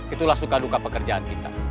itulah suka duka pekerjaan kita